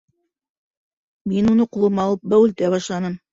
Мин уны ҡулыма алып бәүелтә башланым.